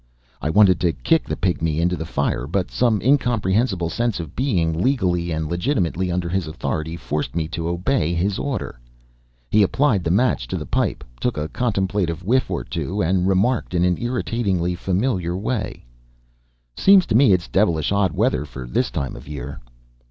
I wanted to kick the pygmy into the fire, but some incomprehensible sense of being legally and legitimately under his authority forced me to obey his order. He applied the match to the pipe, took a contemplative whiff or two, and remarked, in an irritatingly familiar way: "Seems to me it's devilish odd weather for this time of year."